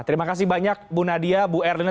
terima kasih banyak bu nadia bu erlina